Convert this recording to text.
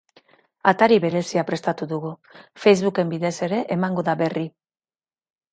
Atari berezia prestatu dugu facebook-en bidez ere emango da berri.